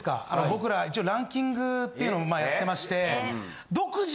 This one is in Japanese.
僕ら一応ランキングっていうのをまあやってまして。